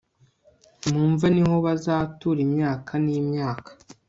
mu mva ni ho bazatura imyaka n'imyaka